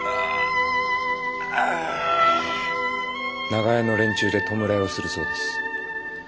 長屋の連中で弔いをするそうです。